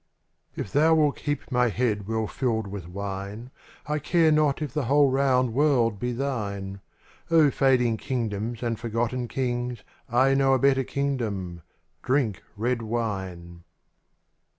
^j^F thou wilt keep my head well filled ^^) with wine, I care not if the whole round world be thine; O fading kingdoms and forgotten kings, I know a better kingdom — drink red wine.